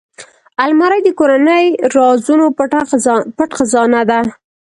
الماري د کورنۍ رازونو پټ خزانه ده